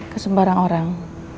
ke sembarang orang